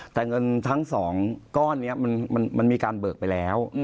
แต่เงินทั้ง๒ก้อนนี้มันมีการเบิกไปแล้ว